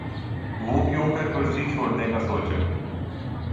وہ کیونکر کرسی چھوڑنے کا سوچیں؟